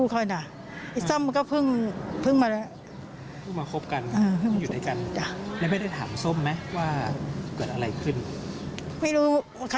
เพราะคุณและแม่เขาก็ไม่รู้ก่อนจะ